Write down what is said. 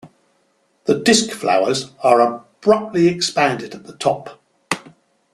The disk flowers are abruptly expanded at the top.